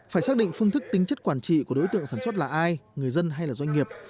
phải xác định phương thức tính chất quản trị của đối tượng sản xuất là ai người dân hay là doanh nghiệp